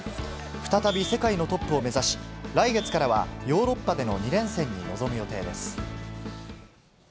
再び世界のトップを目指し、来月からはヨーロッパでの２連戦に臨む予定です。